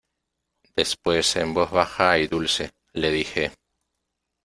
después en voz baja y dulce, le dije: